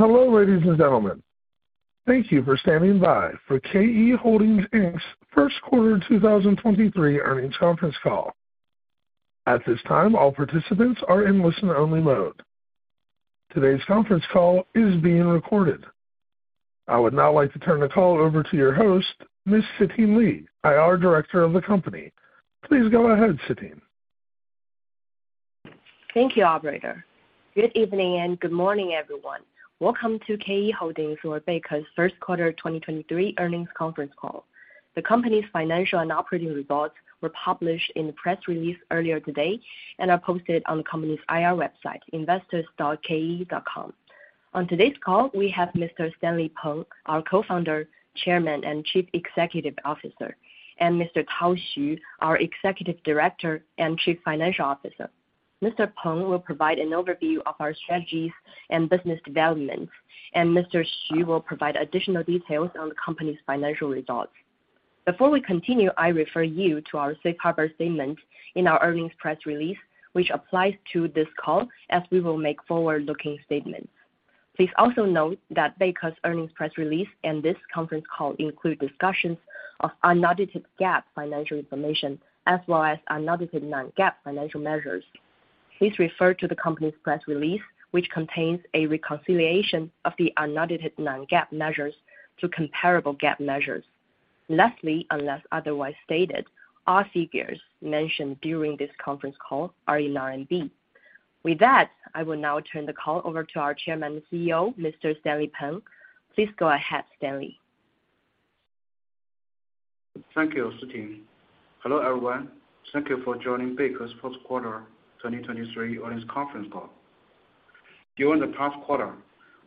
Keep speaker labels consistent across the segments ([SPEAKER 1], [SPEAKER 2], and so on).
[SPEAKER 1] Hello, ladies and gentlemen. Thank you for standing by for KE Holdings Inc's first quarter 2023 earnings conference call. At this time, all participants are in listen-only mode. Today's conference call is being recorded. I would now like to turn the call over to your host, Ms. Siting Li, IR Director of the company. Please go ahead, Siting.
[SPEAKER 2] Thank you, operator. Good evening and good morning, everyone. Welcome to KE Holdings or Beike's first quarter 2023 earnings conference call. The company's financial and operating results were published in the press release earlier today and are posted on the company's IR website, investors.ke.com. On today's call, we have Mr. Stanley Peng, our Co-Founder, Chairman, and Chief Executive Efficer, and Mr. Tao Xu, our executive director and chief financial officer. Mr. Peng will provide an overview of our strategies and business developments, and Mr. Xu will provide additional details on the company's financial results. Before we continue, I refer you to our safe harbor statement in our earnings press release, which applies to this call as we will make forward-looking statements. Please also note that Beike's earnings press release and this conference call include discussions of unaudited GAAP financial information as well as unaudited non-GAAP financial measures. Please refer to the company's press release, which contains a reconciliation of the unaudited non-GAAP measures to comparable GAAP measures. Lastly, unless otherwise stated, all figures mentioned during this conference call are in RMB. With that, I will now turn the call over to our Chairman and CEO, Mr. Stanley Peng. Please go ahead, Stanley.
[SPEAKER 3] Thank you, Siting. Hello, everyone. Thank you for joining Beike's first quarter 2023 earnings conference call. During the past quarter,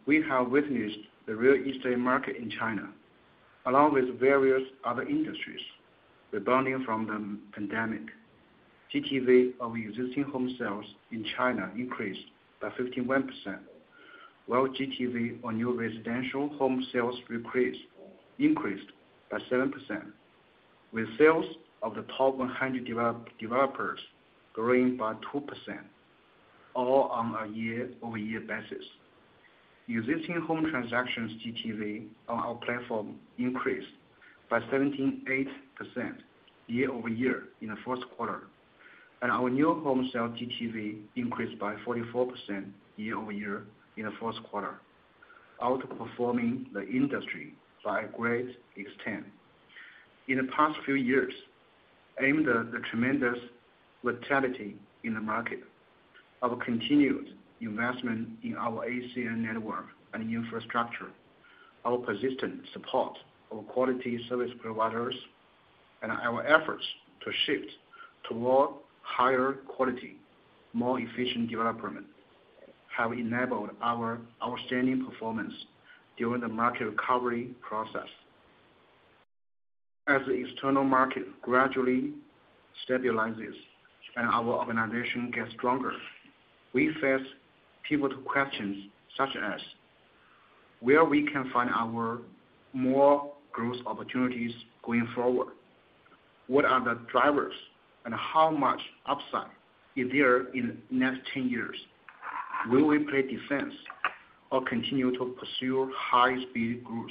[SPEAKER 3] we have witnessed the real estate market in China, along with various other industries rebounding from the pandemic. GTV of Existing Home sales in China increased by 51%, while GTV on new residential home sales increased by 7%, with sales of the top 100 developers growing by 2%, all on a year-over-year basis. Existing Home Transactions GTV on our platform increased by 78% year-over-year in the first quarter, and our New Home sale GTV increased by 44% year-over-year in the first quarter, outperforming the industry by a great extent. In the past few years, amid the tremendous volatility in the market, our continued investment in our ACN network and infrastructure, our persistent support of quality service providers, and our efforts to shift toward higher quality, more efficient development, have enabled our outstanding performance during the market recovery process. As the external market gradually stabilizes and our organization gets stronger, we face pivotal questions, such as where we can find our more growth opportunities going forward? What are the drivers and how much upside is there in the next 10 years? Will we play defense or continue to pursue high-speed growth?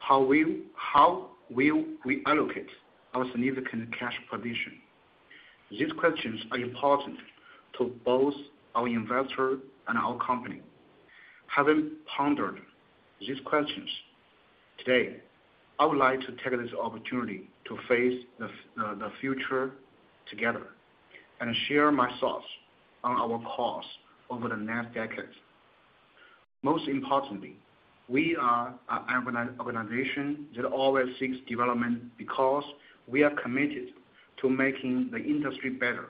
[SPEAKER 3] How will we allocate our significant cash position? These questions are important to both our investor and our company. Having pondered these questions, today, I would like to take this opportunity to face the future together and share my thoughts on our course over the next decade. Most importantly, we are a organization that always seeks development because we are committed to making the industry better.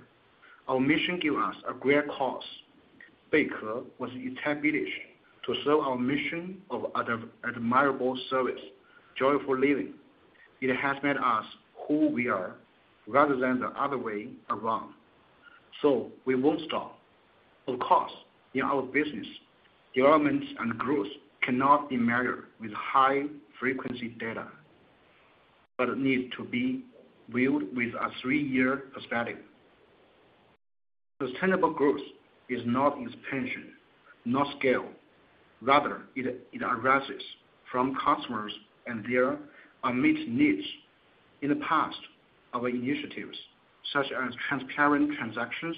[SPEAKER 3] Our mission give us a great cause. Beike was established to serve our mission of Admirable Service, Joyful Living. It has made us who we are rather than the other way around. We won't stop. Of course, in our business, development and growth cannot be measured with high-frequency data, but it needs to be viewed with a three-year perspective. Sustainable growth is not expansion, not scale. Rather, it arises from customers and their unmet needs. In the past, our initiatives, such as transparent transactions,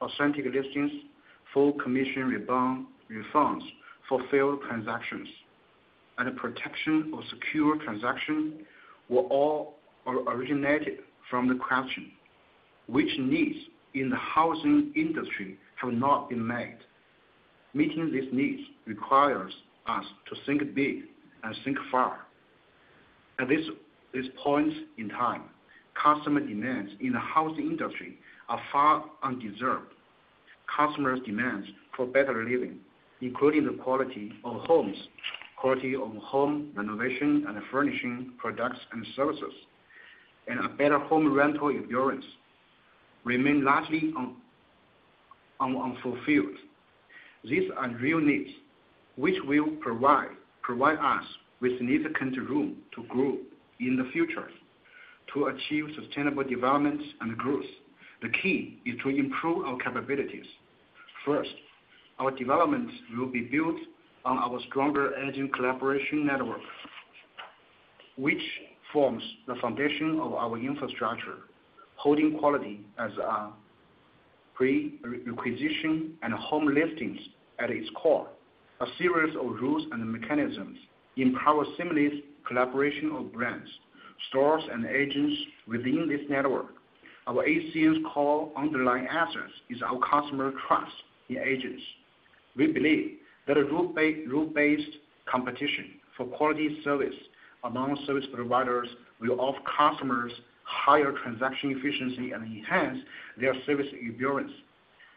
[SPEAKER 3] authentic listings, full commission refunds for failed transactions, and protection of secure transactions, were all originated from the question, which needs in the housing industry have not been met? Meeting these needs requires us to think big and think far. At this point in time, customer demands in the housing industry are far underserved. Customers' demands for better living, including the quality of homes, quality of Home Renovation and Furnishing products and services, and a better home rental experience remain largely unfulfilled. These are real needs, which will provide us with significant room to grow in the future. To achieve sustainable development and growth, the key is to improve our capabilities. First, our development will be built on our stronger engine collaboration network, which forms the foundation of our infrastructure, holding quality as our prerequisite and home listings at its core. A series of rules and mechanisms empower seamless collaboration of brands, stores, and agents within this network. Our ACN's core underlying assets is our customer trust in agents. We believe that a rule-based competition for quality service among service providers will offer customers higher transaction efficiency and enhance their service experience.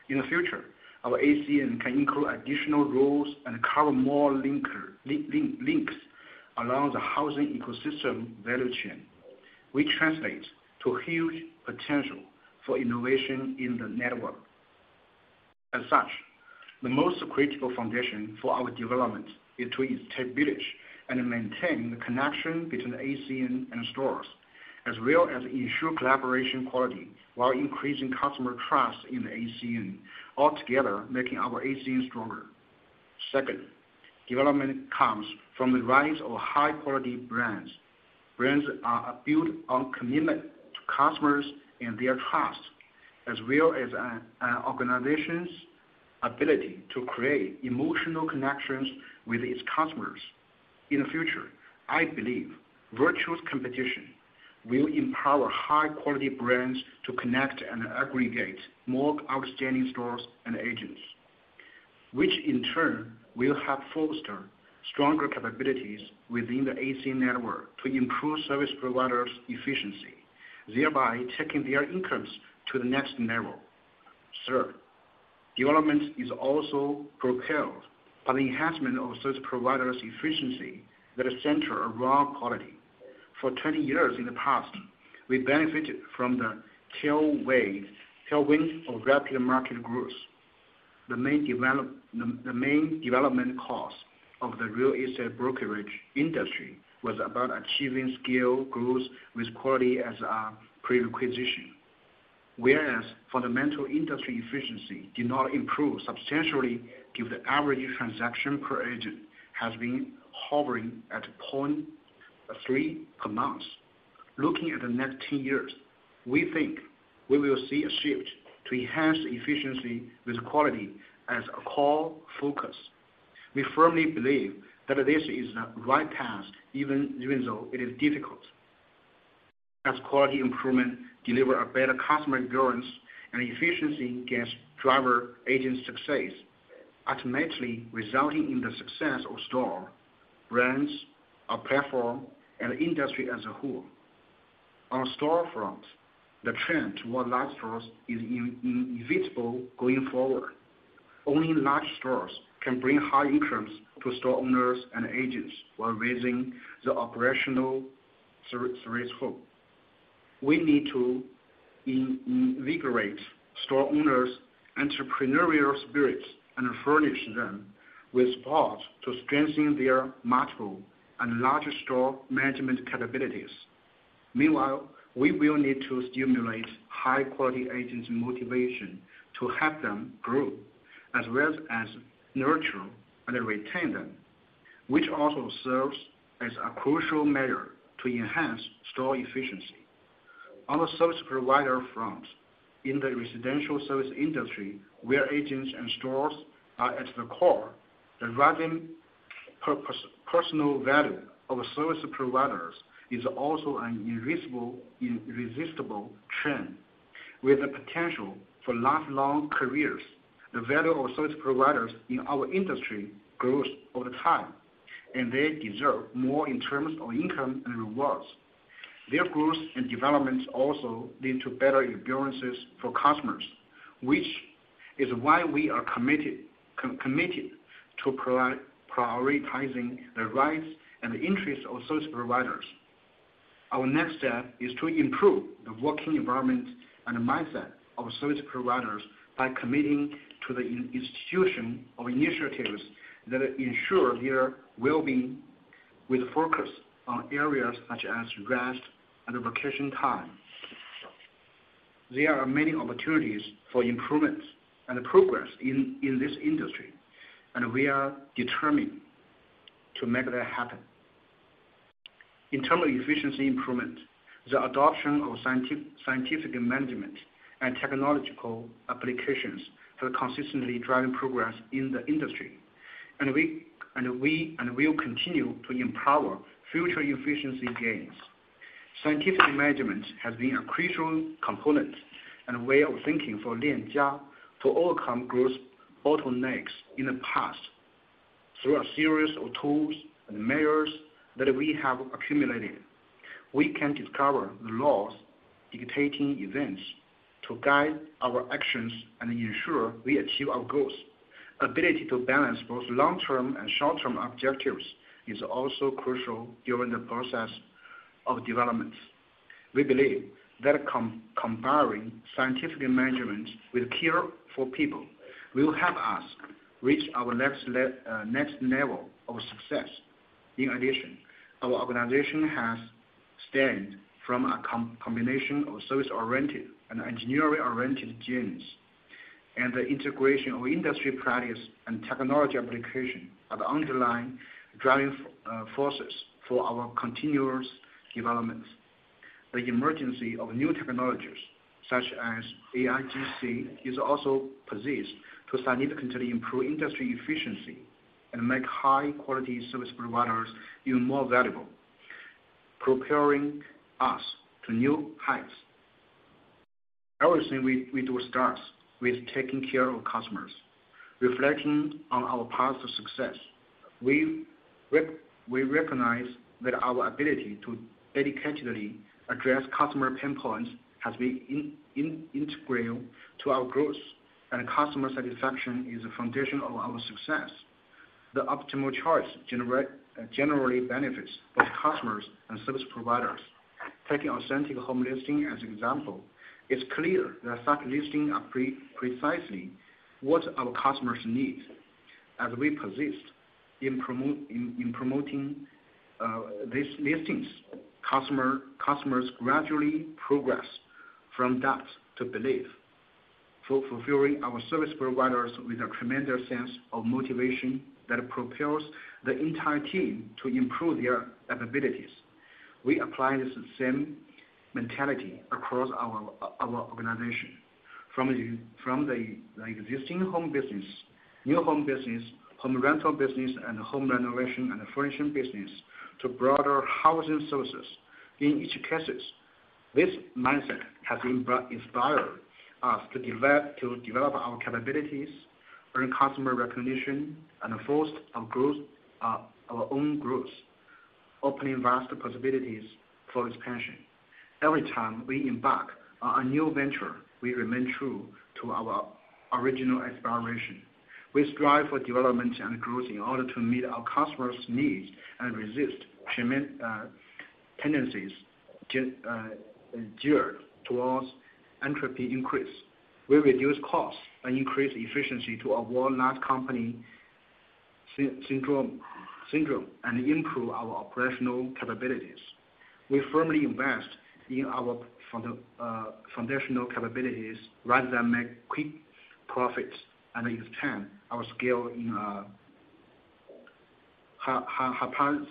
[SPEAKER 3] In the future, our ACN can include additional rules and cover more links along the housing ecosystem value chain, which translates to huge potential for innovation in the network. As such, the most critical foundation for our development is to establish and maintain the connection between ACN and stores, as well as ensure collaboration quality while increasing customer trust in the ACN, all together making our ACN stronger. Second, development comes from the rise of high-quality brands. Brands are built on commitment to customers and their trust, as well as an organization's ability to create emotional connections with its customers. In the future, I believe virtuous competition will empower high-quality brands to connect and aggregate more outstanding stores and agents, which in turn will help foster stronger capabilities within the ACN network to improve service providers' efficiency, thereby taking their incomes to the next level. Third, development is also propelled by the enhancement of service providers' efficiency that is centered around quality. For 20 years in the past, we benefited from the tailwind of rapid market growth. The main development cost of the real estate brokerage industry was about achieving scale growth with quality as our prerequisite. Whereas fundamental industry efficiency did not improve substantially, given the average transaction per agent has been hovering at 0.3 per month. Looking at the next 10 years, we think we will see a shift to enhance efficiency with quality as a core focus. We firmly believe that this is the right path, even though it is difficult. As quality improvement deliver a better customer experience and efficiency can drive agent success, ultimately resulting in the success of store, brands, our platform, and industry as a whole. On store front, the trend towards large stores is inevitable going forward. Only large stores can bring high incomes to store owners and agents while raising the operational threshold. We need to invigorate store owners' entrepreneurial spirits and furnish them with parts to strengthen their multiple and larger store management capabilities. Meanwhile, we will need to stimulate high-quality agents' motivation to help them grow, as well as nurture and retain them, which also serves as a crucial measure to enhance store efficiency. On the service provider front, in the residential service industry, where agents and stores are at the core, the rising personal value of service providers is also an irresistible trend. With the potential for lifelong careers, the value of service providers in our industry grows over time, and they deserve more in terms of income and rewards. Their growth and development also lead to better experiences for customers, which is why we are committed to prioritizing the rights and the interests of service providers. Our next step is to improve the working environment and the mindset of service providers by committing to the institution of initiatives that ensure their well-being, with focus on areas such as rest and vacation time. There are many opportunities for improvements and progress in this industry, and we are determined to make that happen. In terms of efficiency improvement, the adoption of scientific management and technological applications have consistently driven progress in the industry. We'll continue to empower future efficiency gains. Scientific management has been a crucial component and way of thinking for Lianjia to overcome growth bottlenecks in the past. Through a series of tools and measures that we have accumulated, we can discover the laws dictating events to guide our actions and ensure we achieve our goals. Ability to balance both long-term and short-term objectives is also crucial during the process of development. We believe that combining scientific management with care for people will help us reach our next level of success. In addition, our organization has stemmed from a combination of service-oriented and engineering-oriented genes, and the integration of industry practice and technology application are the underlying driving forces for our continuous development. The emergence of new technologies such as AIGC is also poised to significantly improve industry efficiency and make high-quality service providers even more valuable, propelling us to new heights. Everything we do starts with taking care of customers. Reflecting on our path to success, we recognize that our ability to dedicatedly address customer pain points has been integral to our growth, and customer satisfaction is the foundation of our success. The optimal choice generally benefits both customers and service providers. Taking authentic home listing as an example, it's clear that such listings are precisely what our customers need. As we persist in promoting these listings, customers gradually progress from doubt to belief, fulfilling our service providers with a tremendous sense of motivation that propels the entire team to improve their capabilities. We apply this same mentality across our organization, from the Existing Home business, New Home business, Home Rental business, and Home Renovation and Furnishing business to broader housing services. In each case, this mindset has inspired us to develop our capabilities, earn customer recognition, and forced our growth, our own growth, opening vast possibilities for expansion. Every time we embark on a new venture, we remain true to our original aspiration. We strive for development and growth in order to meet our customers' needs and resist tendencies to geared towards entropy increase. We reduce costs and increase efficiency to avoid large company syndrome and improve our operational capabilities. We firmly invest in our foundational capabilities rather than make quick profits and extend our scale in a haphazard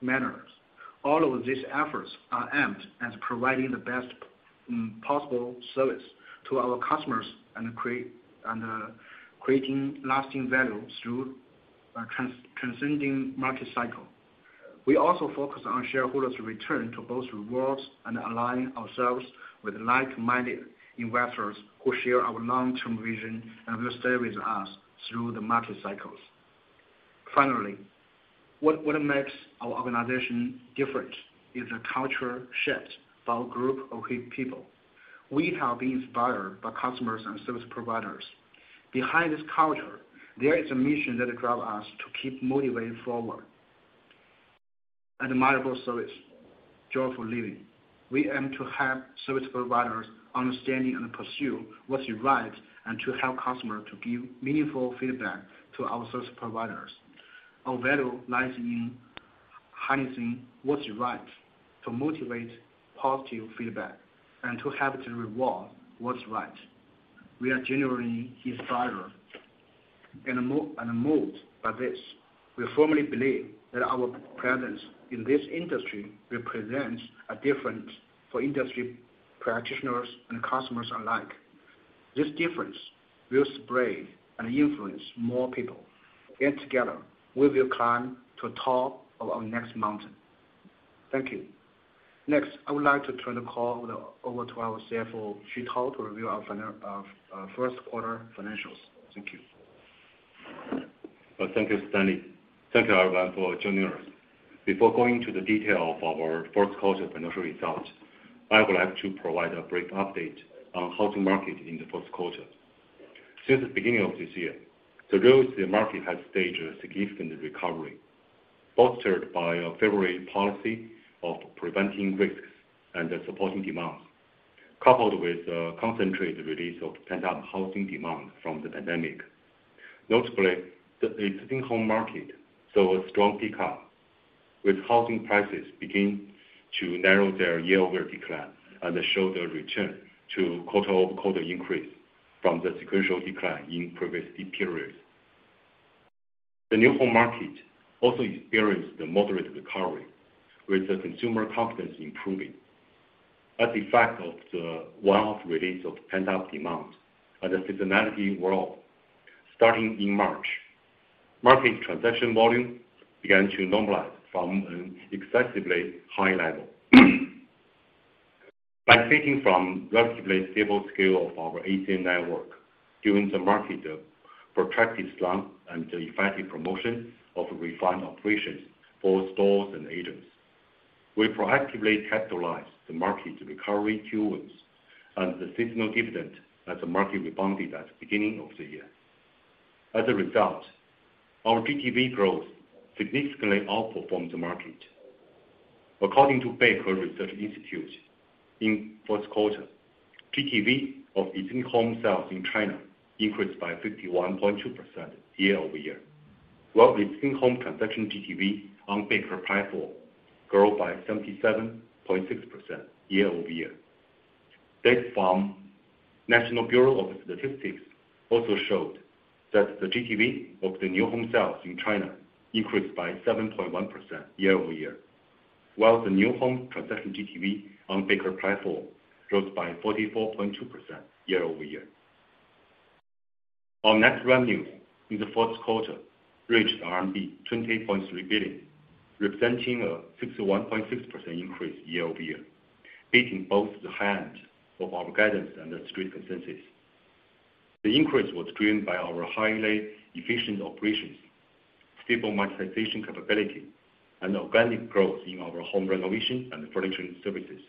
[SPEAKER 3] manners. All of these efforts are aimed at providing the best possible service to our customers and creating lasting value through transcending market cycle. We also focus on shareholders' return to both rewards and align ourselves with like-minded investors who share our long-term vision and will stay with us through the market cycles. Finally, what makes our organization different is the culture shaped by a group of great people. We have been inspired by customers and service providers. Behind this culture, there is a mission that drives us to keep moving forward. Admirable Service, Joyful Living. We aim to have service providers understanding and pursue what's right and to help customer to give meaningful feedback to our service providers. Our value lies in harnessing what's right to motivate positive feedback and to have it reward what's right. We are genuinely inspired and moved by this. We firmly believe that our presence in this industry represents a difference for industry practitioners and customers alike. This difference will spread and influence more people. Together, we will climb to top of our next mountain. Thank you. Next, I would like to turn the call over to our CFO, Tao Xu, to review our first quarter financials. Thank you.
[SPEAKER 4] Thank you, Stanley. Thank you, everyone, for joining us. Before going into the detail of our first quarter financial results, I would like to provide a brief update on how to market in the first quarter. Since the beginning of this year, the real estate market has staged a significant recovery, bolstered by a February policy of preventing risks and supporting demand, coupled with a concentrated release of pent-up housing demand from the pandemic. Notably, the sitting home market saw a strong pickup, with housing prices beginning to narrow their year-over-year decline and show their return to quarter-over-quarter increase from the sequential decline in previous periods. The New Home market also experienced a moderate recovery, with the consumer confidence improving as effect of the one-off release of pent-up demand and the seasonality were all starting in March. Market transaction volume began to normalize from an excessively high level. By taking from relatively stable scale of our ACN network during the market protracted slump and the effective promotion of refined operations for stores and agents, we proactively capitalized the market recovery tools and the seasonal dividend as the market rebounded at the beginning of the year. As a result, our GTV growth significantly outperformed the market. According to Beike Research Institute, in first quarter, GTV of Existing Home sales in China increased by 51.2% year-over-year, while Existing Home Transaction GTV on Beike platform grew by 77.6% year-over-year. Data from National Bureau of Statistics also showed that the GTV of the New Home sales in China increased by 7.1% year-over-year, while the New Home Transaction GTV on Beike platform rose by 44.2% year-over-year. Our net revenue in the fourth quarter reached RMB 28.3 billion, representing a 61.6% increase year-over-year, beating both the hand of our guidance and the street consensus. The increase was driven by our highly efficient operations, stable monetization capability, and organic growth in our Home Renovation and Furnishing services.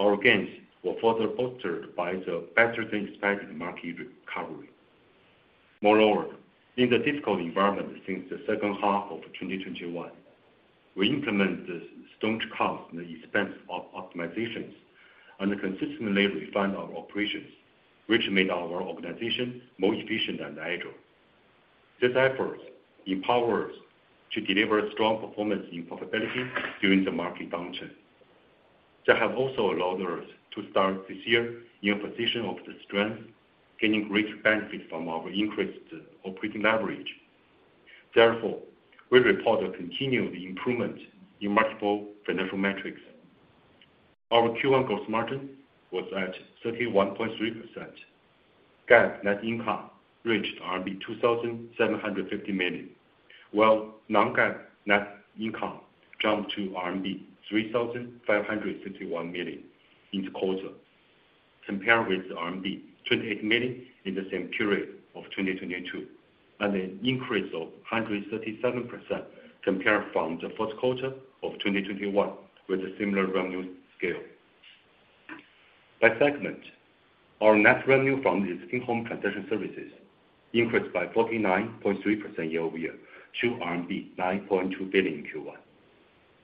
[SPEAKER 4] Our gains were further bolstered by the better-than-expected market recovery. In the difficult environment since the second half of 2021, we implement the staunch cost and expense of optimizations and consistently refined our operations, which made our organization more efficient and agile. These efforts empower us to deliver strong performance in profitability during the market downturn. They have also allowed us to start this year in a position of the strength, gaining great benefit from our increased operating leverage. We report a continued improvement in multiple financial metrics. Our Q1 gross margin was at 31.3%. GAAP net income reached 2,750 million, while non-GAAP net income jumped to 3,551 million in the quarter, compared with the 28 million in the same period of 2022, and an increase of 137% compared from the fourth quarter of 2021 with a similar revenue scale. By segment, our net revenue from the Existing Home Transaction Services increased by 49.3% year-over-year to RMB 9.2 billion in Q1.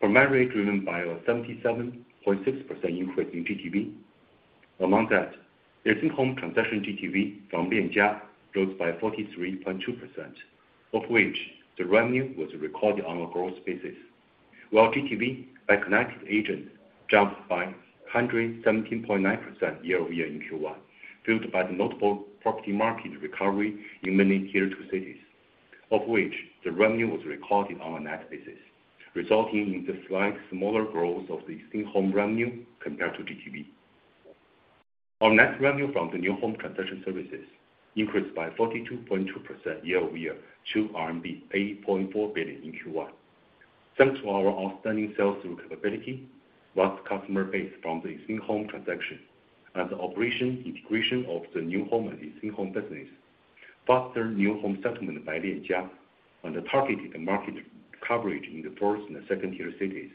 [SPEAKER 4] Primarily driven by a 77.6% increase in GTV. Among that, the Existing Home Transaction GTV from Lianjia rose by 43.2%, of which the revenue was recorded on a gross basis, while GTV by connected agent jumped by 117.9% year-over-year in Q1, fueled by the notable property market recovery in many Tier 2 cities, of which the revenue was recorded on a net basis, resulting in the slight smaller growth of the Existing Home revenue compared to GTV. Our net revenue from New Home Transaction Services increased by 42.2% year-over-year to RMB 8.4 billion in Q1. Thanks to our outstanding sales capability, vast customer base from the Existing Home Transaction, and the operation integration of the New Home and Existing Home business, faster New Home settlement by Lianjia, and the targeted market coverage in the first and the second-tier cities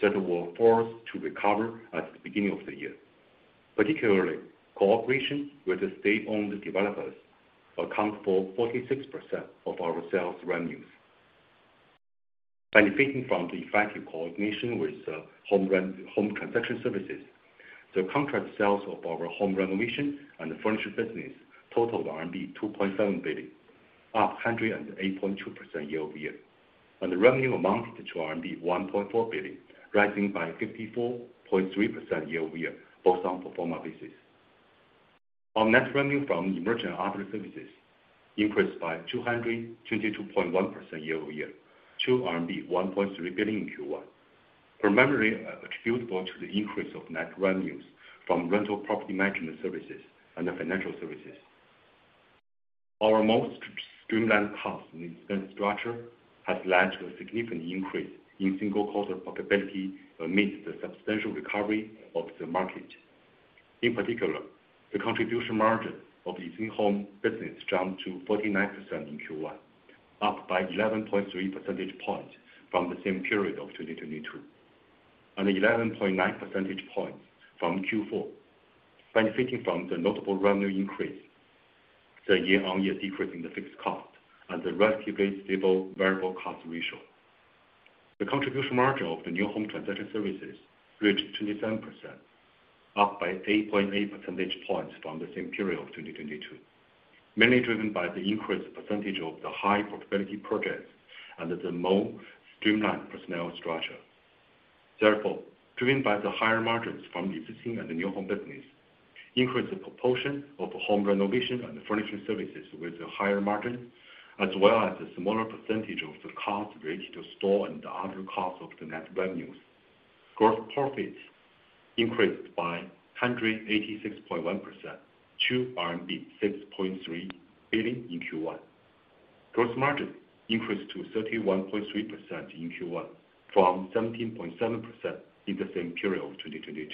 [SPEAKER 4] that were first to recover at the beginning of the year. Particularly, cooperation with the state-owned developers account for 46% of our sales revenues. Benefiting from the effective coordination with Home Transaction Services, the contract sales of our home renovation and the furniture business totaled RMB 2.7 billion, up 108.2% year-over-year. The revenue amounted to RMB 1.4 billion, rising by 54.3% year-over-year, both on pro-forma basis. Our net revenue from Emerging and Other Services increased by 222.1% year-over-year to 1.3 billion in Q1. Primarily attributable to the increase of net revenues from Rental Property Management Services and the financial services. Our more streamlined cost and expense structure has led to a significant increase in single-quarter profitability amidst the substantial recovery of the market. In particular, the contribution margin of Existing Home business jumped to 49% in Q1, up by 11.3 percentage points from the same period of 2022. 11.9 percentage points from Q4, benefiting from the notable revenue increase, the year-on-year decrease in the fixed cost, and the relatively stable variable cost ratio. The contribution margin of New Home Transaction Services reached 27%, up by 8.8 percentage points from the same period of 2022, mainly driven by the increased percentage of the high-profitability projects and the more streamlined personnel structure. Driven by the higher margins from the Existing and the New Home business, increased the proportion of Home Renovation and Furnishing services with a higher margin, as well as a smaller percentage of the costs related to store and other costs of the net revenues. Gross profits increased by 186.1% to RMB 6.3 billion in Q1. Gross margin increased to 31.3% in Q1 from 17.7% in the same period of 2022.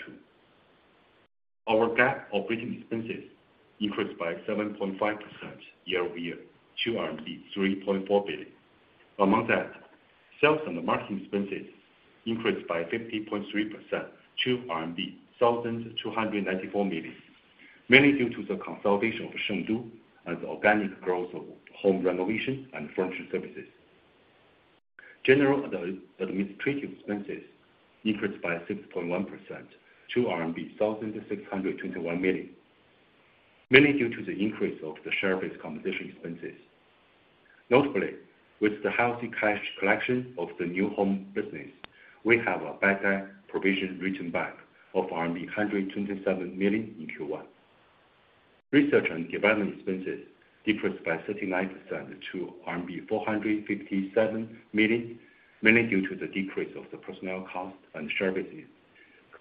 [SPEAKER 4] Our GAAP operating expenses increased by 7.5% year-over-year to 3.4 billion. Among that, sales and the marketing expenses increased by 50.3% to RMB 1,294 million. Mainly due to the consolidation of Chengdu and the organic growth of Home Renovation and Furnishing services. General administrative expenses increased by 60.1% to RMB 1,621 million, mainly due to the increase of the share-based compensation expenses. Notably, with the healthy cash collection of the New Home business, we have a bad debt provision written back of RMB 127 million in Q1. Research and development expenses decreased by 39% to RMB 457 million, mainly due to the decrease of the personnel cost and share-based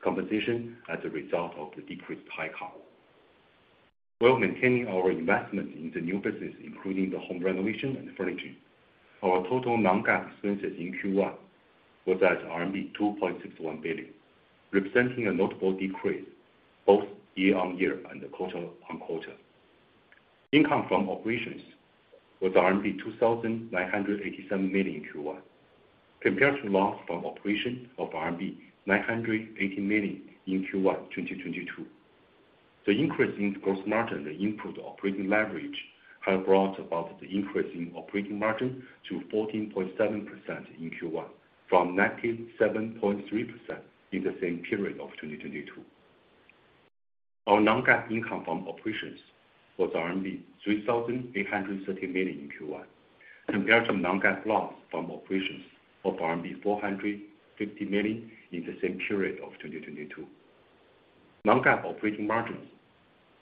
[SPEAKER 4] compensation as a result of the decreased highcount. While maintaining our investment in the new business, including the Home Renovation and Furnishing, our total non-GAAP expenses in Q1 was at RMB 2.61 billion, representing a notable decrease both year-on-year and quarter-on-quarter. Income from operations was RMB 2,987 million in Q1, compared to loss from operation of RMB 980 million in Q1 2022. The increase in gross margin and the improved operating leverage have brought about the increase in operating margin to 14.7% in Q1, from -7.3% in the same period of 2022. Our non-GAAP income from operations was 3,830 million in Q1, compared to non-GAAP loss from operations of 450 million in the same period of 2022. Non-GAAP operating margins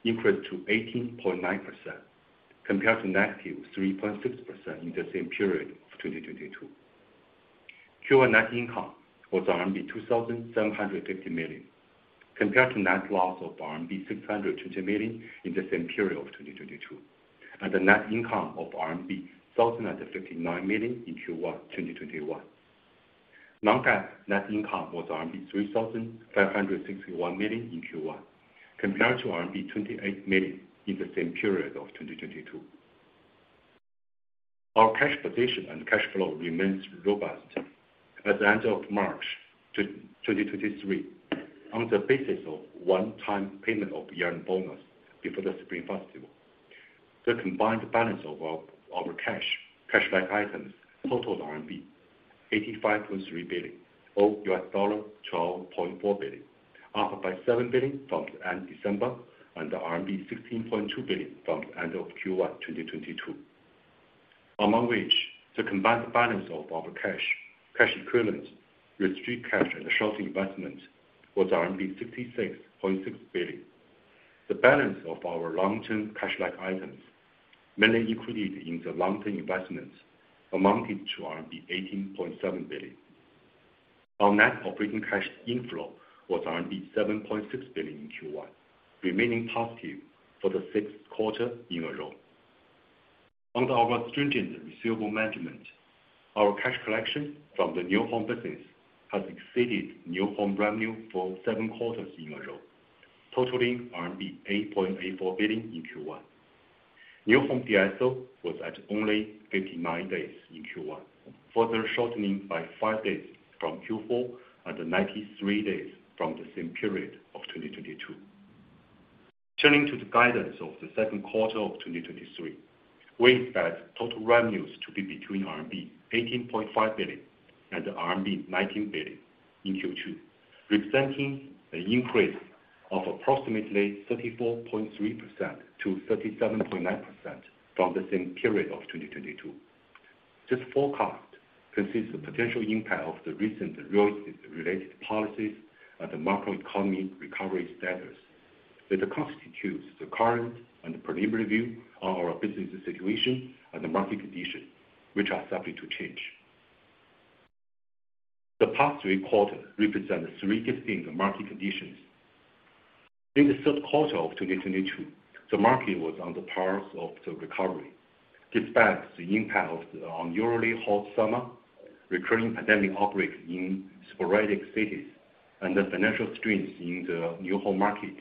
[SPEAKER 4] increased to 18.9% compared to -3.6% in the same period of 2022. Q1 net income was RMB 2,750 million, compared to net loss of RMB 620 million in the same period of 2022, and a net income of RMB 1,059 million in Q1 2021. Non-GAAP net income was RMB 3,561 million in Q1, compared to RMB 28 million in the same period of 2022. Our cash position and cash flow remain robust. At the end of March 2023, on the basis of one-time payment of year-end bonus before the Spring Festival, the combined balance of our cash-like items totaled RMB 85.3 billion, or $12.4 billion, up by 7 billion from the end December and RMB 16.2 billion from the end of Q1 2022. Among which, the combined balance of our cash equivalents, restrict cash and short investments was RMB 66.6 billion. The balance of our long-term cash-like items, mainly liquidity in the long-term investments, amounted to RMB 18.7 billion. Our net operating cash inflow was RMB 7.6 billion in Q1, remaining positive for the sixth quarter in a row. Under our stringent receivable management, our cash collection from the New Home business has exceeded New Home revenue for seven quarters in a row, totaling RMB 8.84 billion in Q1. New home DSO was at only 59 days in Q1, further shortening by five days from Q4 and 93 days from the same period of 2022. Turning to the guidance of the second quarter of 2023, we expect total revenues to be between RMB 18.5 billion and RMB 19 billion in Q2, representing an increase of approximately 34.3%-37.9% from the same period of 2022. This forecast consists of potential impact of the recent real estate-related policies and the macroeconomic recovery status that constitutes the current and preliminary view of our business situation and the market condition, which are subject to change. The past three quarters represent significant market conditions. In the third quarter of 2022, the market was on the path of the recovery, despite the impact of the unusually hot summer, recurring pandemic outbreak in sporadic cities, and the financial strains in the New Home market.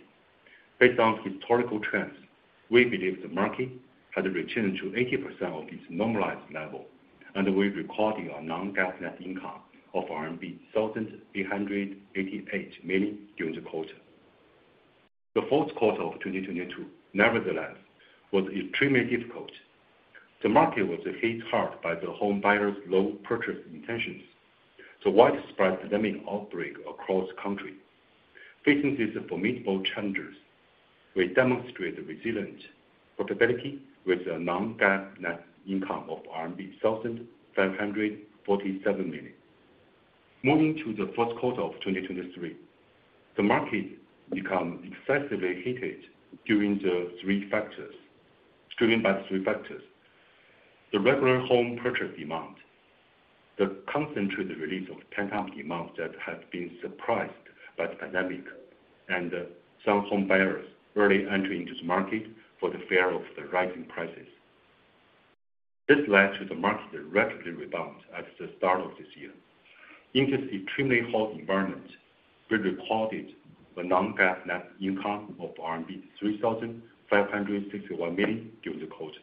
[SPEAKER 4] Based on historical trends, we believe the market had returned to 80% of its normalized level, and we're recording a non-GAAP net income of RMB 1,888 million during the quarter. The fourth quarter of 2022, nevertheless, was extremely difficult. The market was hit hard by the home buyers' low purchase intentions, the widespread pandemic outbreak across country. Facing these formidable challenges, we demonstrated resilient profitability with a non-GAAP net income of RMB 1,547 million. Moving to the first quarter of 2023, the market become excessively heated driven by three factors. The regular home purchase demand, the concentrated release of pent-up demand that had been suppressed by the pandemic, and some home buyers early entering into the market for the fear of the rising prices. This led to the market rapidly rebound at the start of this year. In this extremely hot environment, we recorded a non-GAAP net income of RMB 3,561 million during the quarter.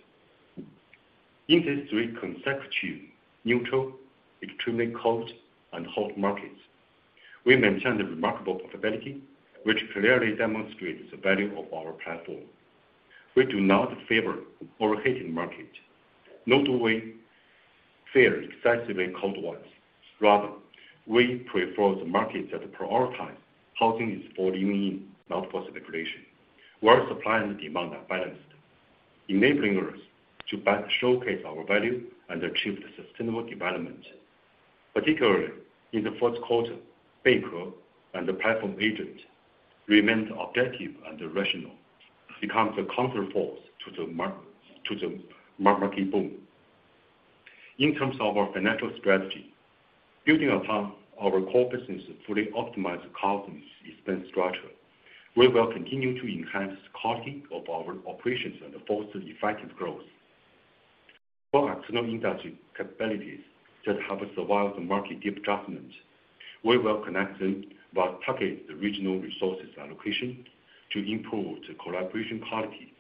[SPEAKER 4] In these three consecutive neutral, extremely cold and hot markets, we maintained a remarkable profitability, which clearly demonstrates the value of our platform. We do not favor an overheating market, nor do we fear excessively cold ones. Rather, we prefer the markets that prioritize housing is for living in, not for speculation, where supply and demand are balanced, enabling us to showcase our value and achieve the sustainable development. Particularly, in the first quarter, Beike and the platform agents remained objective and rational, become the counterforce to the market boom. In terms of our financial strategy, building upon our core business and fully optimize the cost and expense structure, we will continue to enhance the quality of our operations and foster effective growth. Our internal industry capabilities that help us survive the market adjustments, we will connect them while target the regional resources allocation to improve the collaboration quality,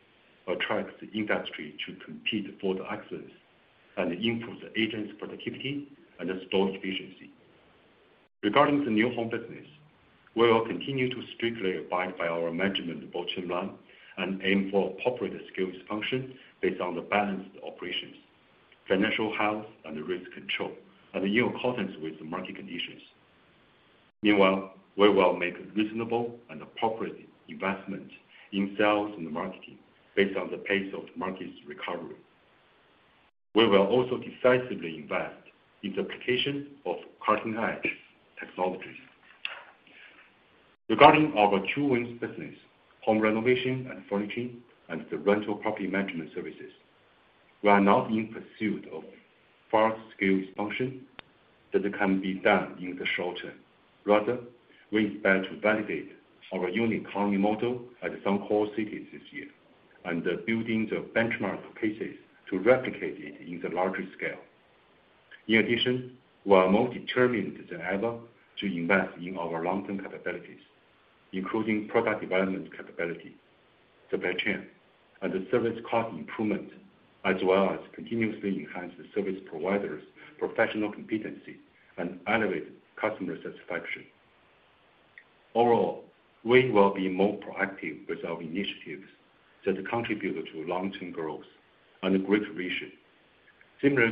[SPEAKER 4] attract the industry to compete for the access, and improve the agents' productivity and the store's efficiency. Regarding the New Home business, we will continue to strictly abide by our management bottom line and aim for appropriate scale expansion based on the balanced operations, financial health and risk control, and in accordance with the market conditions. Meanwhile, we will make reasonable and appropriate investment in sales and marketing based on the pace of market's recovery. We will also decisively invest in the application of cutting-edge technologies. Regarding our two wings business, Home Renovation and Furnishing, and the Rental Property Management Services, we are now in pursuit of fast scale expansion that can be done in the short term. Rather, we expect to validate our unique economy model at some core cities this year, and building the benchmark cases to replicate it in the larger scale. In addition, we are more determined than ever to invest in our long-term capabilities, including product development capability, supply chain, and the service cost improvement, as well as continuously enhance the service providers' professional competency and elevate customer satisfaction. Overall, we will be more proactive with our initiatives that contribute to long-term growth and greater vision. Similar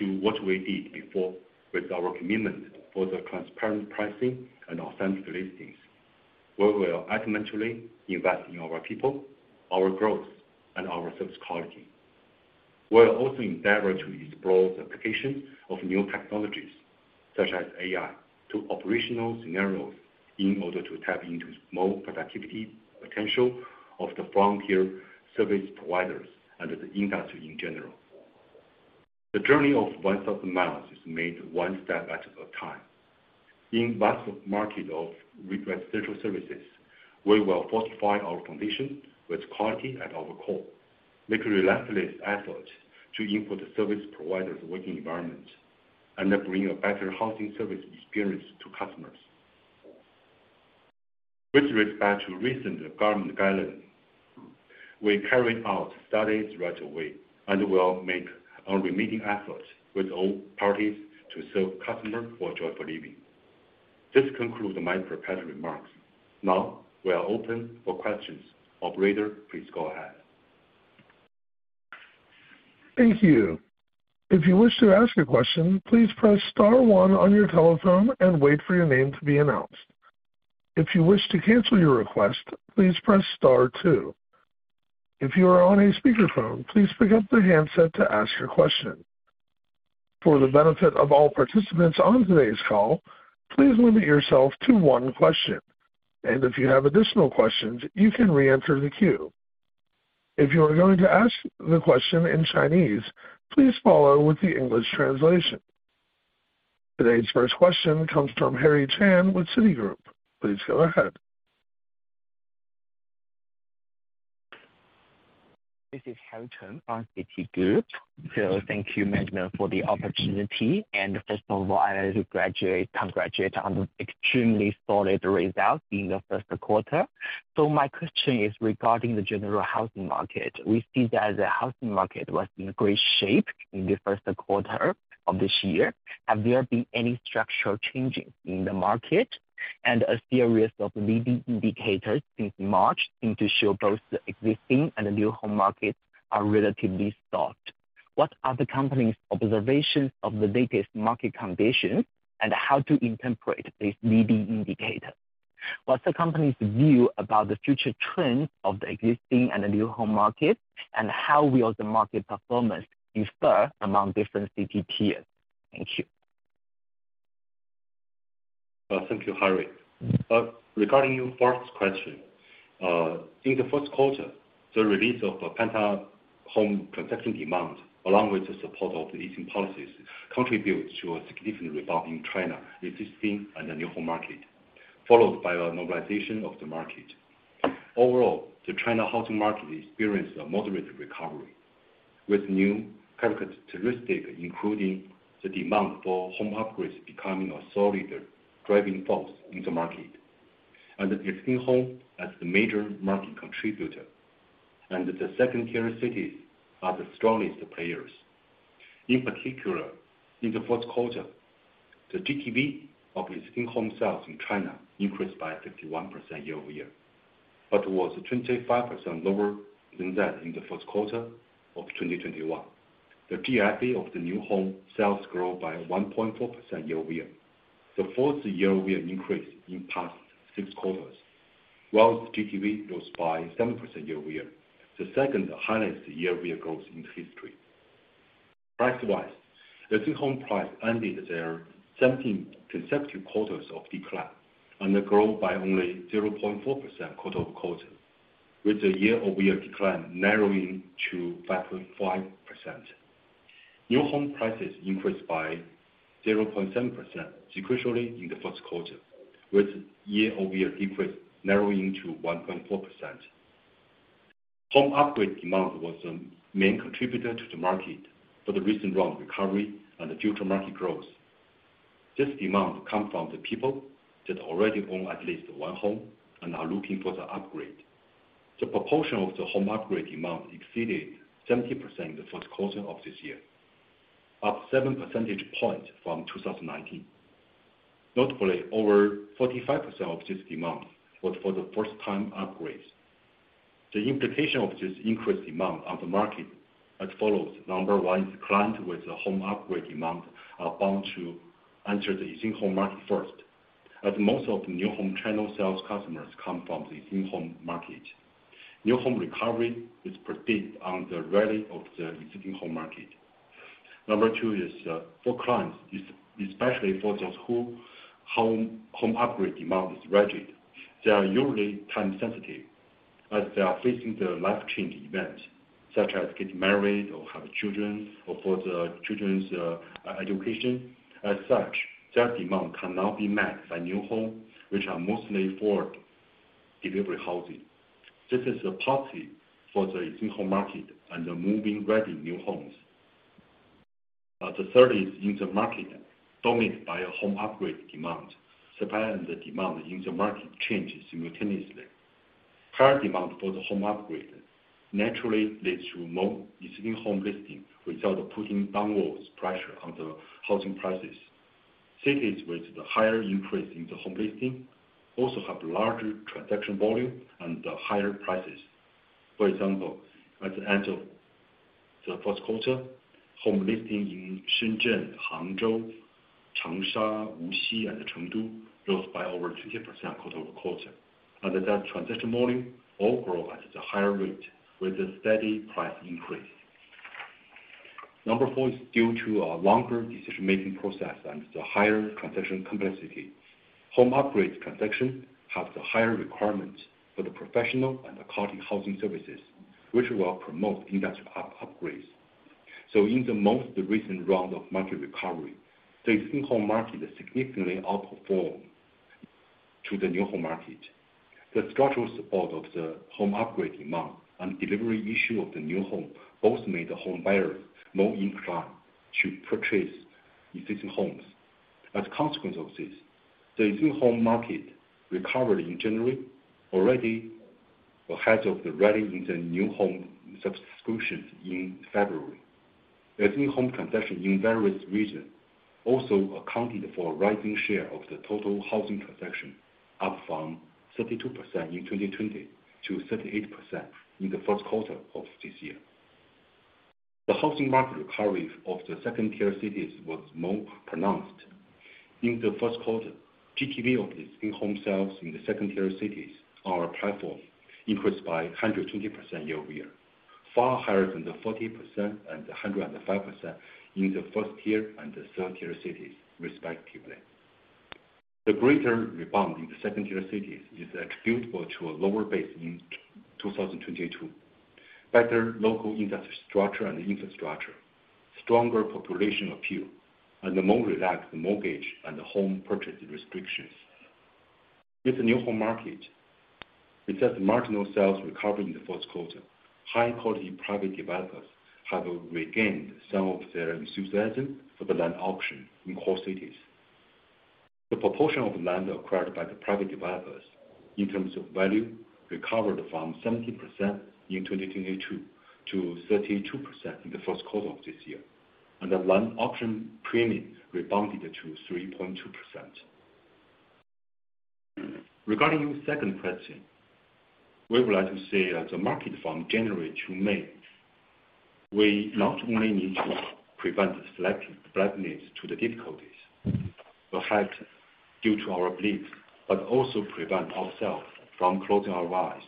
[SPEAKER 4] to what we did before with our commitment for the transparent pricing and authentic listings, we will ultimately invest in our people, our growth, and our service quality. We'll also endeavor to explore the application of new technologies, such as AI, to operational scenarios in order to tap into more productivity potential of the frontier service providers and the industry in general. The journey of 1,000 mi is made one step at a time. In vast market of residential services, we will fortify our foundation with quality at our core, make relentless effort to improve the service providers' working environment, and bring a better housing service experience to customers. With respect to recent government guidelines, we carried out studies right away, and we'll make unremitting efforts with all parties to serve customer for joyful living. This concludes my prepared remarks. Now, we are open for questions. Operator, please go ahead.
[SPEAKER 1] Thank you. If you wish to ask a question, please press star one on your telephone and wait for your name to be announced. If you wish to cancel your request, please press star two. If you are on a speaker phone, please pick up the handset to ask your question. For the benefit of all participants on today's call, please limit yourself to one question. If you have additional questions, you can re-enter the queue. If you are going to ask the question in Chinese, please follow with the English translation. Today's first question comes from Harry Chen with Citigroup. Please go ahead.
[SPEAKER 5] This is Harry Chen from Citigroup. Thank you, management, for the opportunity. First of all, I'd like to congratulate on extremely solid results in the first quarter. My question is regarding the general housing market. We see that the housing market was in great shape in the first quarter of this year. Have there been any structural changes in the market? A series of leading indicators since March seem to show both the Existing and the New Home markets are relatively soft. What are the company's observations of the latest market conditions, and how to interpret this leading indicator? What's the company's view about the future trends of the Existing and the New Home market, and how will the market performance differ among different city tiers? Thank you.
[SPEAKER 4] Thank you, Harry. Regarding your first question, in the first quarter, the release of pent-up home construction demand, along with the support of the easing policies, contributes to a significant rebound in China Existing and the New Home market, followed by a normalization of the market. Overall, the China housing market experienced a moderate recovery with new characteristic, including the demand for home upgrades becoming a solid driving force in the market. The Existing Home as the major market contributor, and the second-tier cities are the strongest players. In particular, in the fourth quarter, the GTV of Existing Home sales in China increased by 51% year-over-year, but was 25% lower than that in the first quarter of 2021. The GTV of the New Home sales grew by 1.4% year-over-year. The fourth year-over-year increase in past six quarters, while GTV grows by 7% year-over-year, the second-highest year-over-year growth in history. Price-wise, Existing Home price ended their 17 consecutive quarters of decline and they grow by only 0.4% quarter-over-quarter, with the year-over-year decline narrowing to 5.5%. New home prices increased by 0.7% sequentially in the first quarter, with year-over-year decrease narrowing to 1.4%. Home upgrade demand was the main contributor to the market for the recent round recovery and future market growth. This demand come from the people that already own at least one home and are looking for the upgrade. The proportion of the home upgrade demand exceeded 70% in the first quarter of this year, up 7 percentage points from 2019. Notably, over 45% of this demand was for the first time upgrades. The implication of this increased demand on the market as follows: Number one is client with a home upgrade demand are bound to enter the Existing Home market first, as most of the New Home channel sales customers come from the Existing Home market. New home recovery is predicated on the rally of the Existing Home market. Number two is for clients, especially for those who home upgrade demand is rigid, they are usually time sensitive as they are facing the life change event, such as getting married or have children or for the children's education. As such, their demand cannot be met by New Home, which are mostly for delivery housing. This is a positive for the Existing Home market and the move-in ready New Homes. The third is in the market dominated by a home upgrade demand, supply and demand in the market changes simultaneously. Higher demand for the home upgrade naturally leads to more Existing Home listing without putting downwards pressure on the housing prices. Cities with the higher increase in the home listing also have larger transaction volume and higher prices. For example, at the end of the first quarter, home listing in Shenzhen, Hangzhou, Changsha, Wuxi and Chengdu rose by over 50% quarter-over-quarter. That transaction volume all grow at a higher rate with a steady price increase. Number four is due to a longer decision-making process and the higher transaction complexity. Home upgrade transaction has a higher requirement for the professional and the quality housing services, which will promote industry upgrades. In the most recent round of market recovery, the Existing Home market significantly outperformed to the New Home market. The structural support of the home upgrade demand and delivery issue of the New Home both made the home buyers more inclined to purchase Existing Homes. As a consequence of this, the Existing Home market recovery in January already ahead of the rally in the New Home subscriptions in February. The Existing Home Transaction in various regions also accounted for a rising share of the total housing transaction, up from 32% in 2020 to 38% in the first quarter of this year. The housing market recovery of the second-tier cities was more pronounced. In the first quarter, GTV of Existing Home sales in the second-tier cities on our platform increased by 120% year-over-year, far higher than the 40% and 105% in the first tier and the third-tier cities respectively. The greater rebound in the second-tier cities is attributable to a lower base in 2022, better local industry structure and infrastructure, stronger population appeal, and the more relaxed mortgage and the home purchase restrictions. With the New Home market, with such marginal sales recovery in the first quarter, high quality private developers have regained some of their enthusiasm for the land auction in core cities. The proportion of land acquired by the private developers in terms of value recovered from 17% in 2022 to 32% in the first quarter of this year. The land auction premium rebounded to 3.2%. Regarding your second question, we would like to say as a market from January to May, we not only need to prevent selective blindness to the difficulties affect due to our beliefs, but also prevent ourselves from closing our eyes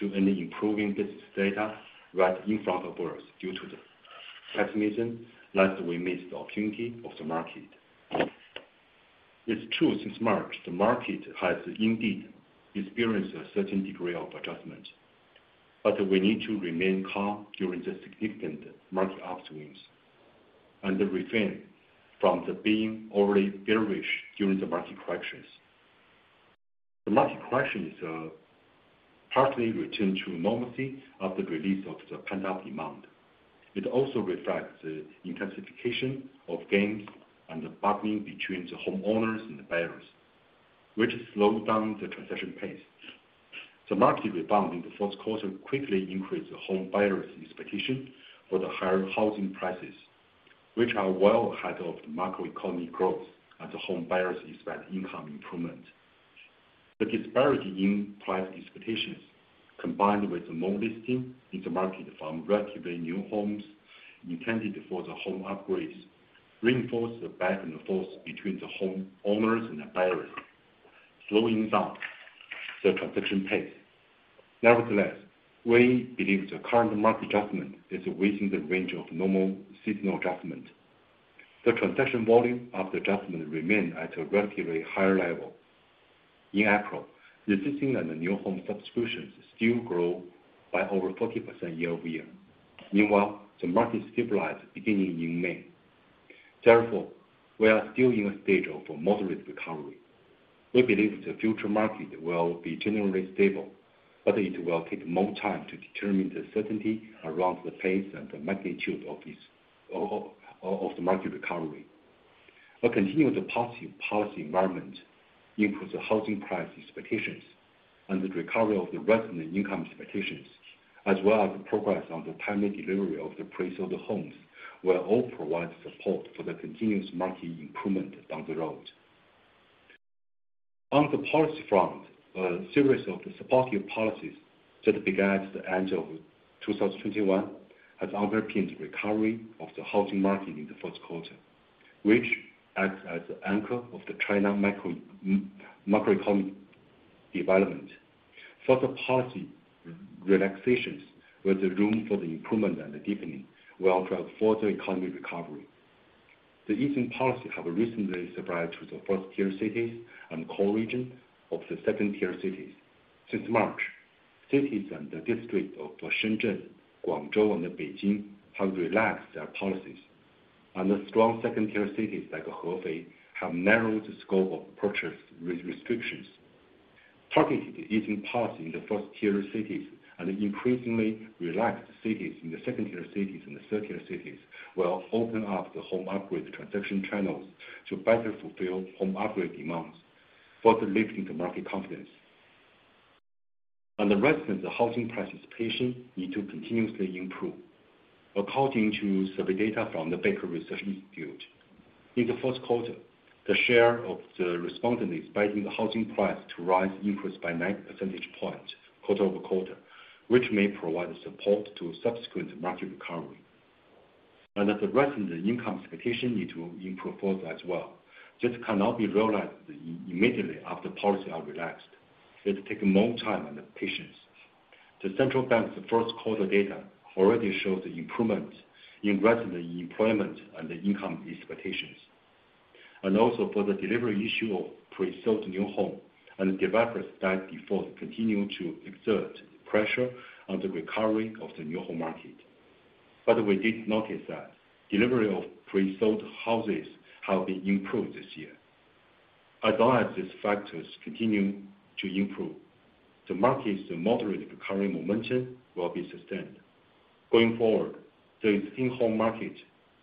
[SPEAKER 4] to any improving business data right in front of us due to the pessimism, lest we miss the opportunity of the market. It's true since March, the market has indeed experienced a certain degree of adjustment, but we need to remain calm during the significant market upswings and refrain from the being overly bearish during the market corrections. The market correction is a partly return to normalcy of the release of the pent-up demand. It also reflects the intensification of gains and the bargaining between the homeowners and the buyers, which slowed down the transaction pace. The market rebound in the fourth quarter quickly increased the homebuyers' expectation for the higher housing prices, which are well ahead of the macroeconomic growth as the homebuyers expect income improvement. The disparity in price expectations, combined with more listing in the market from relatively New Homes intended for the home upgrades, reinforce the back and the forth between the homeowners and the buyers, slowing down the transaction pace. Nevertheless, we believe the current market adjustment is within the range of normal seasonal adjustment. The transaction volume of the adjustment remained at a relatively higher level. In April, the Existing and the New Home subscriptions still grow by over 40% year-over-year. Meanwhile, the market stabilized beginning in May. Therefore, we are still in a stage of a moderate recovery. We believe the future market will be generally stable, but it will take more time to determine the certainty around the pace and the magnitude of this, of the market recovery. We're continuing the positive policy environment, improve the housing price expectations and the recovery of the resident income expectations, as well as the progress on the timely delivery of the presold homes will all provide support for the continuous market improvement down the road. On the policy front, a series of the supportive policies that began at the end of 2021 has underpinned recovery of the housing market in the first quarter, which acts as the anchor of the China macroeconomic development. Further policy relaxations with the room for the improvement and the deepening will drive further economy recovery. The easing policy have recently spread to the first-tier cities and core region of the second-tier cities. Since March, cities and the district of Shenzhen, Guangzhou, and Beijing have relaxed their policies. The strong second-tier cities like Hefei have narrowed the scope of purchase re-restrictions. Targeted easing policy in the first-tier cities and increasingly relaxed cities in the second-tier cities and the third-tier cities will open up the home upgrade transaction channels to better fulfill home upgrade demands, further lifting the market confidence. The rest of the housing price expectation need to continuously improve. According to survey data from the Beike Research Institute, in the first quarter, the share of the respondents expecting the housing price to rise increased by nine percentage points quarter-over-quarter, which may provide support to subsequent market recovery. As the rest of the income expectation need to improve further as well, this cannot be realized immediately after policy are relaxed. It takes more time and patience. The central bank's first quarter data already shows the improvement in resident employment and the income expectations, and also for the delivery issue of presold New Home and developers that default continue to exert pressure on the recovery of the New Home market. We did notice that delivery of presold houses has been improved this year. All these factors continue to improve, the market's moderate recovery momentum will be sustained. Going forward, the Existing Home market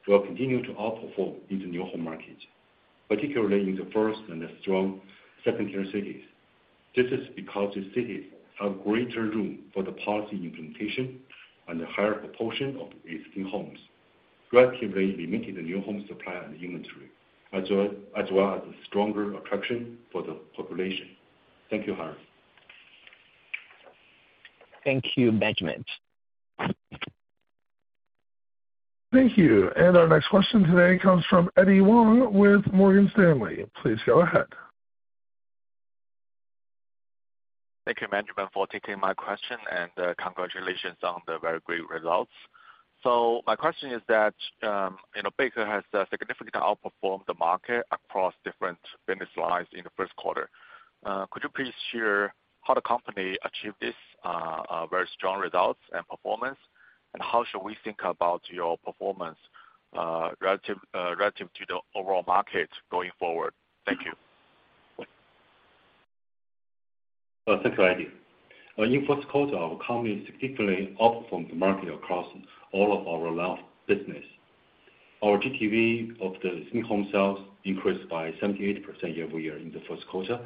[SPEAKER 4] will continue to outperform in the New Home market, particularly in the first and the strong second-tier cities. This is because the cities have greater room for the policy implementation and a higher proportion of Existing Homes, relatively limiting the New Home supply and inventory, as well as a stronger attraction for the population. Thank you, Harry.
[SPEAKER 5] Thank you, Benjamin.
[SPEAKER 1] Thank you. Our next question today comes from Eddy Wang with Morgan Stanley. Please go ahead.
[SPEAKER 6] Thank you, Benjamin, for taking my question. Congratulations on the very great results. My question is that, you know, Beike has significantly outperformed the market across different business lines in the first quarter. Could you please share how the company achieved this very strong results and performance, and how should we think about your performance relative to the overall market going forward? Thank you.
[SPEAKER 4] Thank you, Eddy. In first quarter, our company significantly outperformed the market across all of our large business. Our GTV of the Existing Home sales increased by 78% year-over-year in the first quarter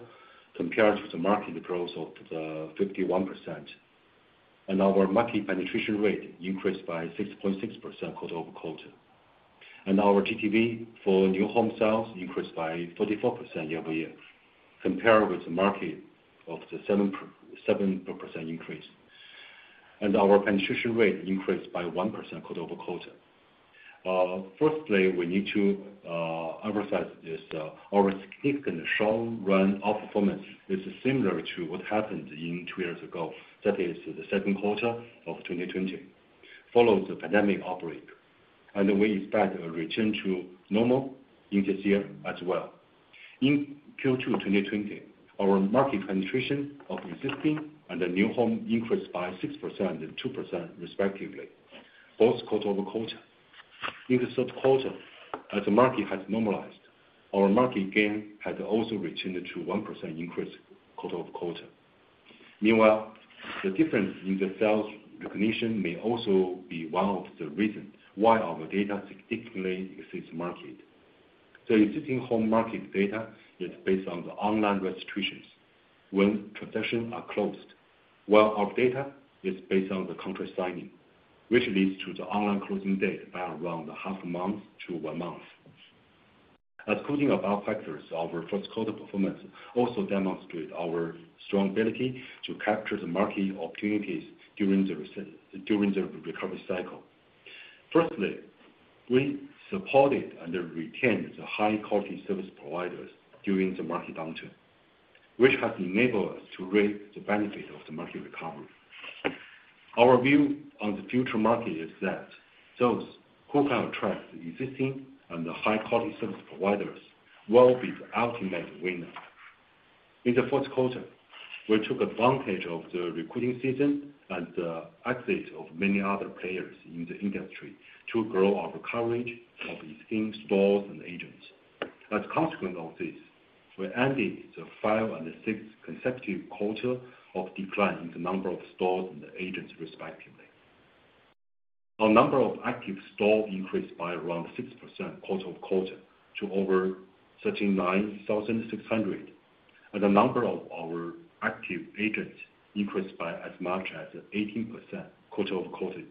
[SPEAKER 4] compared to the market growth of 51%. Our market penetration rate increased by 6.6% quarter-over-quarter. Our GTV for New Home sales increased by 44% year-over-year, compared with the market of 7% increase. Our penetration rate increased by 1% quarter-over-quarter. Firstly, we need to emphasize this, our significant short-run outperformance is similar to what happened in two years ago, that is the second quarter of 2020, follows the pandemic outbreak. We expect a return to normal interest year as well. In Q2 2020, our market penetration of Existing and New Home increased by 6% and 2% respectively, both quarter-over-quarter. In the third quarter, as the market has normalized, our market gain has also returned to 1% increase quarter-over-quarter. The difference in the sales recognition may also be one of the reasons why our data significantly exceeds market. The Existing Home market data is based on the online registrations when transactions are closed, while our data is based on the contract signing, which leads to the online closing date by around half a month to one month. Excluding above factors, our first quarter performance also demonstrated our strong ability to capture the market opportunities during the recovery cycle. Firstly, we supported and retained the high-quality service providers during the market downturn, which has enabled us to reap the benefit of the market recovery. Our view on the future market is that those who can attract the existing and the high-quality service providers will be the ultimate winner. In the fourth quarter, we took advantage of the recruiting season and the exit of many other players in the industry to grow our coverage of existing stores and agents. As a consequence of this, we ended the fifth and the sixth consecutive quarter of decline in the number of stores and agents respectively. Our number of active stores increased by around 6% quarter-over-quarter to over 39,600, and the number of our active agents increased by as much as 18% quarter-over-quarter,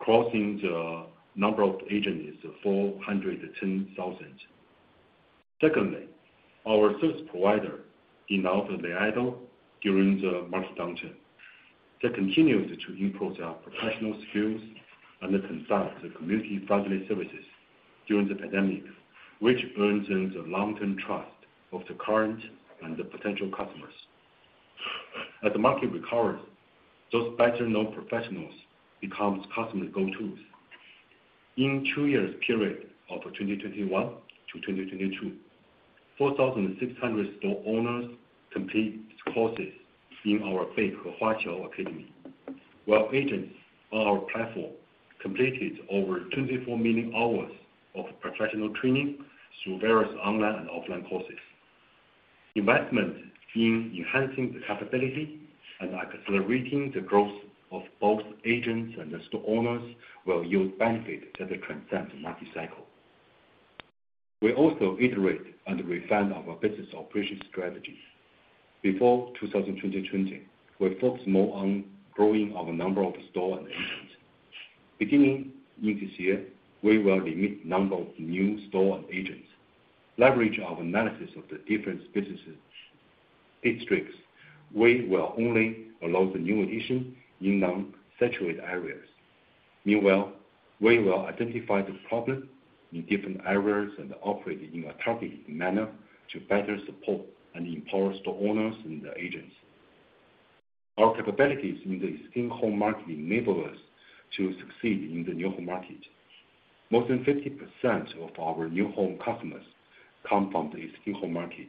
[SPEAKER 4] crossing the number of agent is 410,000. Secondly, our service provider did not idle during the market downturn. They continued to improve their professional skills and consult the community friendly services during the pandemic, which earns them the long-term trust of the current and the potential customers. As the market recovers, those better-known professionals becomes customers' go-tos. In two years period of 2021-2022, 4,600 store owners completed courses in our Beike Huaqiao Academy, while agents on our platform completed over 24 million hours of professional training through various online and offline courses. Investment in enhancing the capability and accelerating the growth of both agents and the store owners will yield benefit that will transcend the market cycle. We also iterate and refine our business operation strategy. Before 2020, we focused more on growing our number of store and agents. Beginning in this year, we will limit the number of new store and agents, leverage our analysis of the different businesses districts. We will only allow the new addition in non-saturated areas. Meanwhile, we will identify the problem in different areas and operate in a targeted manner to better support and empower store owners and the agents. Our capabilities in the Existing Home market enable us to succeed in the New Home market. More than 50% of our New Home customers come from the Existing Home market.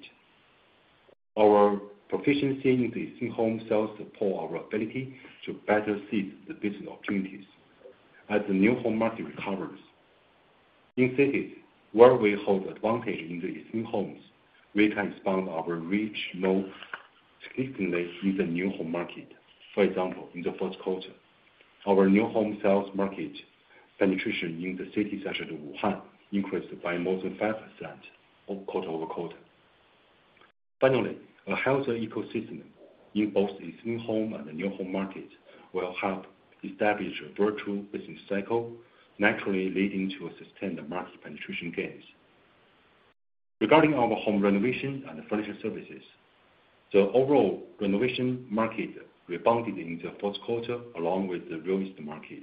[SPEAKER 4] Our proficiency in the Existing Home sales support our ability to better seize the business opportunities as the New Home market recovers. In cities where we hold advantage in the Existing Homes, we can expand our reach more significantly in the New Home market. For example, in the first quarter, our New Home sales market penetration in the cities such as Wuhan increased by more than 5% quarter-over-quarter. Finally, a healthier ecosystem in both Existing Home and the New Home market will help establish a virtuous business cycle, naturally leading to a sustained market penetration gains. Regarding our Home Renovation and Furnishing services, the overall renovation market rebounded in the fourth quarter along with the real estate market.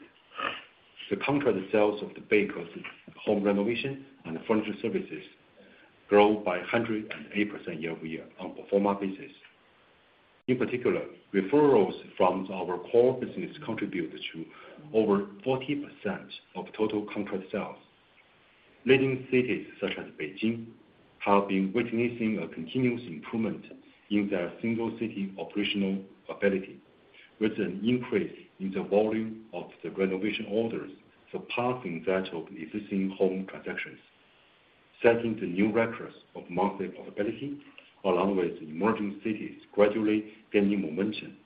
[SPEAKER 4] The contract sales of the Beike's Home Renovation and Furnishing services grew by 108% year-over-year on performance basis. In particular, referrals from our core business contributed to over 40% of total contract sales. Leading cities such as Beijing have been witnessing a continuous improvement in their single city operational ability, with an increase in the volume of the renovation orders surpassing that of Existing Home Transactions, setting the new records of monthly profitability, along with emerging cities gradually gaining momentum,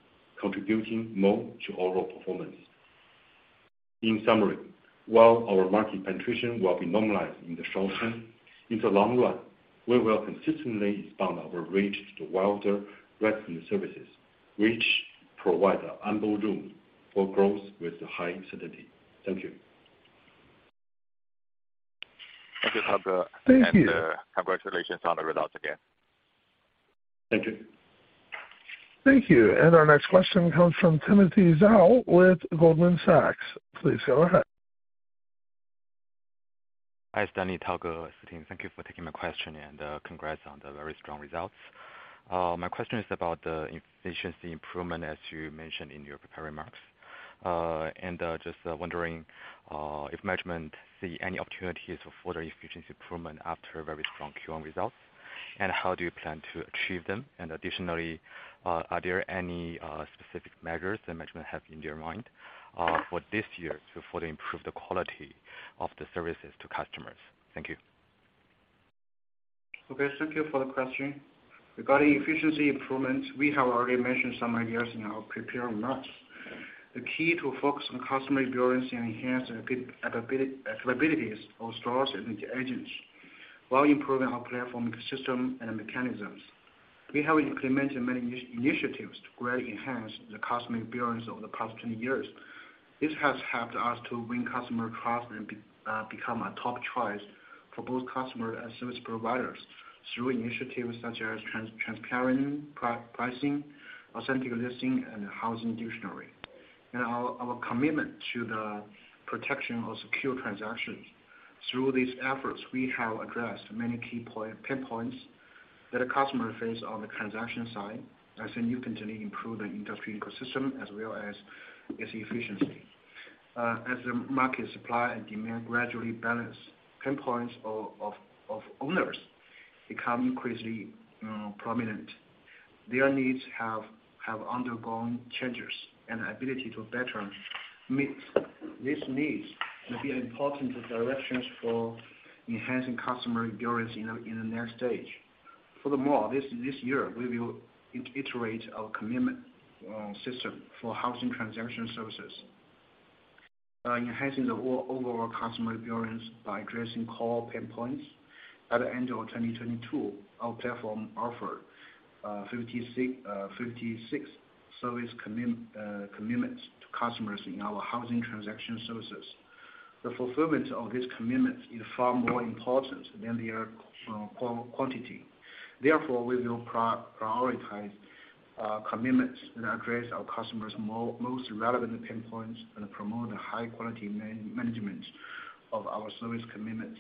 [SPEAKER 4] contributing more to overall performance. In summary, while our market penetration will be normalized in the short term, in the long run, we will consistently expand our reach to the wider resident services, which provide an ample room for growth with high certainty. Thank you.
[SPEAKER 6] Thank you, Tao Xu.
[SPEAKER 4] Thank you.
[SPEAKER 6] Congratulations on the results again.
[SPEAKER 4] Thank you.
[SPEAKER 1] Thank you. Our next question comes from Timothy Zhao with Goldman Sachs. Please go ahead.
[SPEAKER 7] Hi, Stanley, Tao Xu, team. Thank you for taking my question, and congrats on the very strong results. My question is about the efficiency improvement, as you mentioned in your prepared remarks. Just wondering if management see any opportunities for further efficiency improvement after very strong Q1 results. How do you plan to achieve them? Additionally, are there any specific measures the management have in their mind for this year to further improve the quality of the services to customers? Thank you.
[SPEAKER 3] Okay, thank you for the question. Regarding efficiency improvements, we have already mentioned some ideas in our prepared remarks. The key to focus on customer experience and enhance the capabilities of stores and agents while improving our platform ecosystem and mechanisms. We have implemented many initiatives to greatly enhance the customer experience over the past 20 years. This has helped us to win customer trust and become a top choice for both customers and service providers through initiatives such as transparency, pricing, authentic listing and Housing Dictionary. Now our commitment to the protection of secure transactions. Through these efforts we have addressed many key pain points that a customer face on the transaction side as they continually improve the industry ecosystem as well as its efficiency. As the market supply and demand gradually balance, pain points of owners become increasingly prominent. Their needs have undergone changes and ability to better meet these needs will be an important directions for enhancing customer experience in the next stage. Furthermore, this year, we will iterate our commitment system for housing transaction services, enhancing the overall customer experience by addressing core pain points. At the end of 2022, our platform offered 56 service commitments to customers in our housing transaction services. The fulfillment of these commitments is far more important than their quantity. Therefore, we will prioritize commitments that address our customers most relevant pain points and promote high quality management of our service commitments.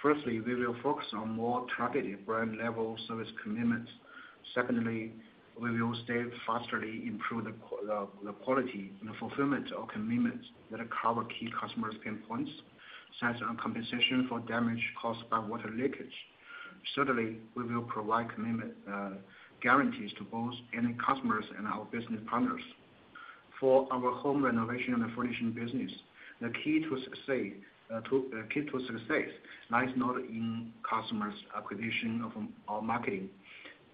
[SPEAKER 3] Firstly, we will focus on more targeted brand level service commitments. Secondly, we will steadfastly improve the quality and the fulfillment of commitments that cover key customers' pain points, such as compensation for damage caused by water leakage. Thirdly, we will provide commitment guarantees to both end customers and our business partners. For our Home Renovation and Furnishing business, the key to success lies not in customers acquisition of our marketing,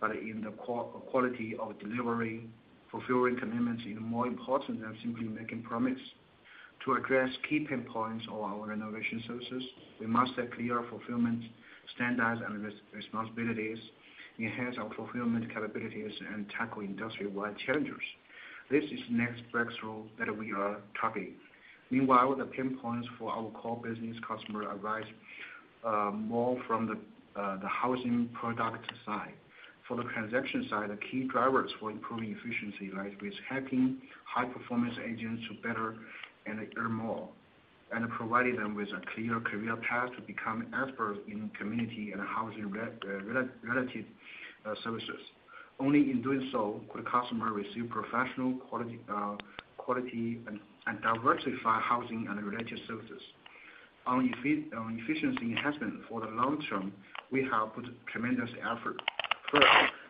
[SPEAKER 3] but in the quality of delivery, fulfilling commitments is more important than simply making promise. To address key pain points of our renovation services, we must set clear fulfillment standards and responsibilities, enhance our fulfillment capabilities and tackle industry-wide challenges. This is next breakthrough that we are targeting. Meanwhile, the pain points for our core business customer arise more from the housing product side. For the transaction side, the key drivers for improving efficiency lies with helping high performance agents to better and earn more and providing them with a clear career path to become experts in community and housing relative services. Only in doing so could a customer receive professional quality and diversified housing and related services. On efficiency enhancement for the long term, we have put tremendous effort. First,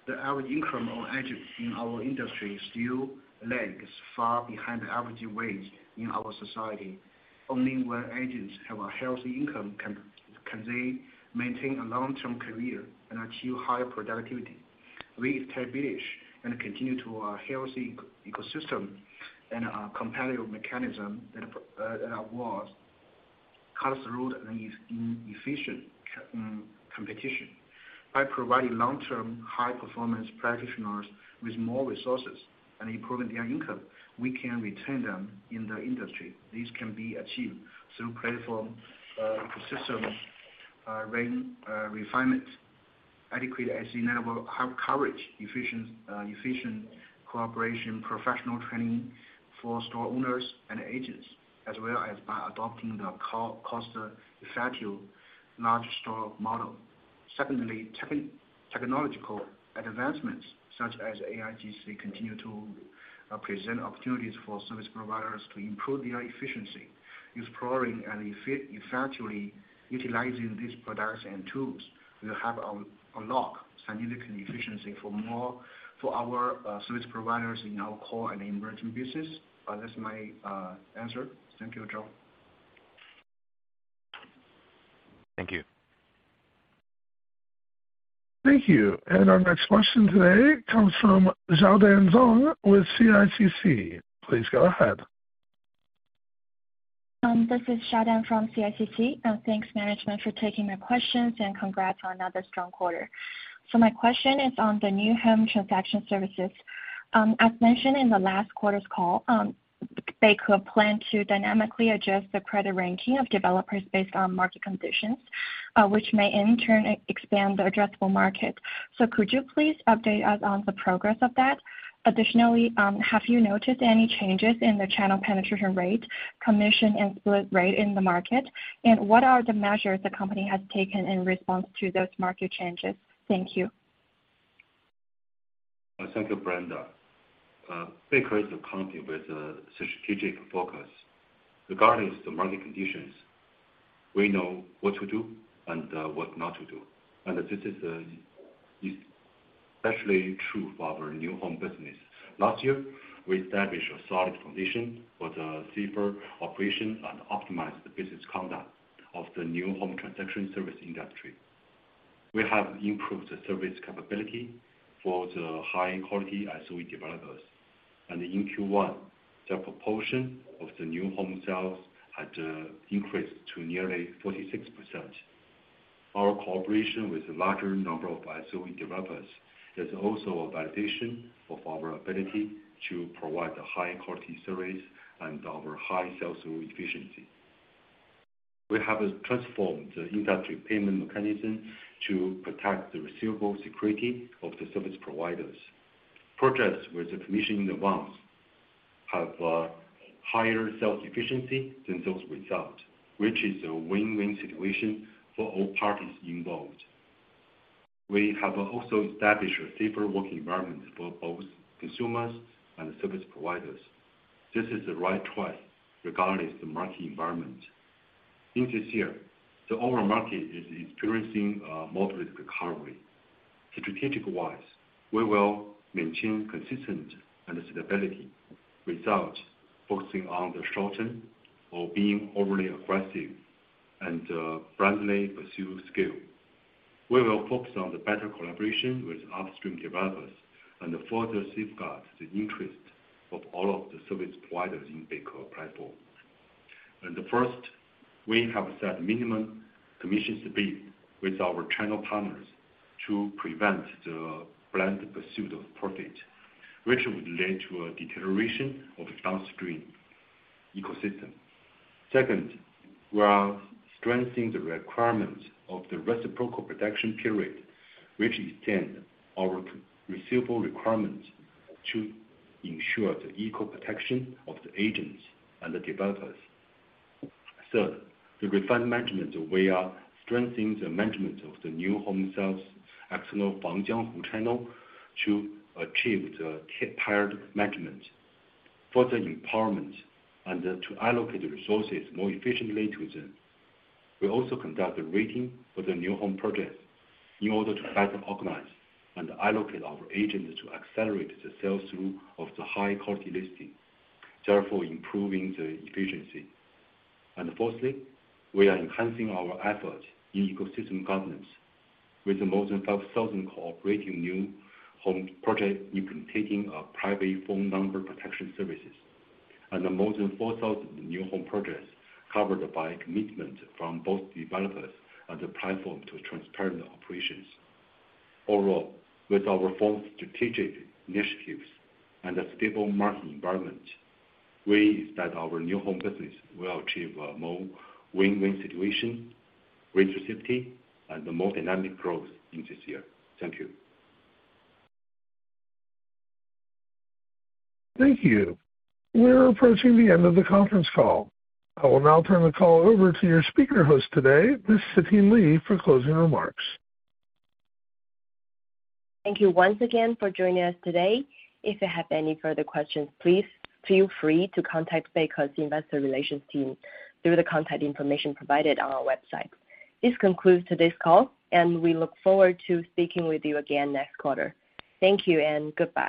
[SPEAKER 3] the average income of agents in our industry still lags far behind the average wage in our society. Only when agents have a healthy income can they maintain a long-term career and achieve higher productivity. We establish and continue to a healthy ecosystem and a competitive mechanism that awards cut-throat and efficient competition. By providing long-term, high-performance practitioners with more resources and improving their income, we can retain them in the industry. This can be achieved through platform, system, rank refinement, adequate and reasonable coverage, efficient cooperation, professional training for store owners and agents, as well as by adopting the cost-effective large store model. Secondly, technological advancements such as AIGC continue to present opportunities for service providers to improve their efficiency. Exploring and effectively utilizing these products and tools, we'll have a lot significant efficiency for more, for our service providers in our core and emerging business. That's my answer. Thank you, Timothy Zhao.
[SPEAKER 7] Thank you.
[SPEAKER 1] Thank you. Our next question today comes from Xiaodan Zhang with CICC. Please go ahead.
[SPEAKER 8] This is Xiaodan from CICC. Thanks, management, for taking my questions, and congrats on another strong quarter. My question is on New Home Transaction Services. As mentioned in the last quarter's call, Beike planned to dynamically adjust the credit ranking of developers based on market conditions, which may in turn expand their addressable market. Could you please update me on the progress of that? Additionally, have you noticed any changes in the channel penetration rate, commission and split rate in the market? What are the measures the company has taken in response to those market changes? Thank you.
[SPEAKER 4] Thank you, Xiaodan. Beike is a company with a strategic focus. Regardless of the market conditions, we know what to do and what not to do. This is especially true for our New Home business. Last year, we established a solid foundation for the safer operation and optimized the business conduct of New Home Transaction Service industry. We have improved the service capability for the high-quality SOE developers. In Q1, the proportion of the New Home sales had increased to nearly 46%. Our cooperation with a larger number of SOE developers is also a validation of our ability to provide the high-quality service and our high sales efficiency. We have transformed the industry payment mechanism to protect the receivable security of the service providers. Projects with the commission advance have higher sales efficiency than those without, which is a win-win situation for all parties involved. We have also established a safer work environment for both consumers and service providers. This is the right choice, regardless of the market environment. In this year, the overall market is experiencing a moderate recovery. Strategic-wise, we will maintain consistent and stability without focusing on the short term or being overly aggressive and blindly pursue scale. We will focus on the better collaboration with upstream developers and further safeguard the interest of all of the service providers in Beike platform. First, we have set minimum commissions bid with our channel partners to prevent the blind pursuit of profit, which would lead to a deterioration of the downstream ecosystem. Second, we are strengthening the requirements of the reciprocal protection period, which extend our receivable requirements to ensure the equal protection of the agents and the developers. Third, the refined management, we are strengthening the management of the New Home sales external channel to achieve the tiered management, further empowerment, and to allocate the resources more efficiently to them. We also conduct the rating for the New Home projects in order to better organize and allocate our agents to accelerate the sales through of the high-quality listing, therefore improving the efficiency. Fourthly, we are enhancing our efforts in ecosystem governance with more than 5,000 cooperating New Home projects implementing a private phone number protection services. More than 4,000 New Home projects covered by a commitment from both developers and the platform to transparent operations. With our full strategic initiatives and a stable market environment, we expect our New Home business will achieve a more win-win situation, greater safety, and more dynamic growth in this year. Thank you.
[SPEAKER 1] Thank you. We're approaching the end of the conference call. I will now turn the call over to your speaker host today, Ms. Siting Li, for closing remarks.
[SPEAKER 2] Thank you once again for joining us today. If you have any further questions, please feel free to contact Beike's investor relations team through the contact information provided on our website. This concludes today's call, and we look forward to speaking with you again next quarter. Thank you and goodbye.